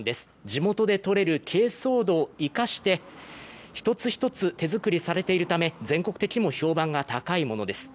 地元でとれるけいそう土を生かして、一つ一つ手作りされているため全国的にも評判が高いものです。